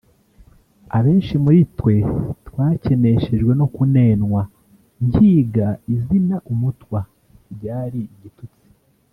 Abenshi muri twe twakeneshejwe no kunenwa Nkiga izina umutwa ryari igitutsi